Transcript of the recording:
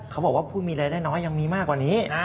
เขาบอกว่าผู้มีรายได้น้อยยังมีมากกว่านี้